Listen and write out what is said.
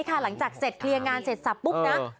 รอบนี้ค่ะหลังจากเสร็จเครียงงานเสร็จศัพท์ปุ๊บนะ